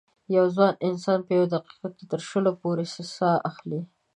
یو ځوان انسان په یوه دقیقه کې تر شلو پورې سا اخلي.